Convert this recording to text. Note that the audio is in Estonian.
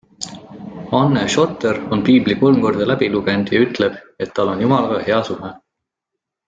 Anne Schotter on Piibli kolm korda läbi lugenud ja ütleb, et tal on Jumalaga hea suhe.